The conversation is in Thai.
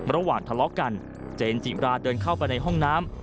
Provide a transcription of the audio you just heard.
ระหว่างทะเลาะกันเจนจิราเดินเข้าไปในห้องน้ำ